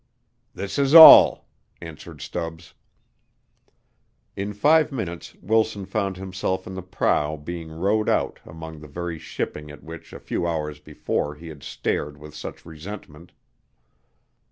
"This is all," answered Stubbs. In five minutes Wilson found himself in the prow being rowed out among the very shipping at which a few hours before he had stared with such resentment.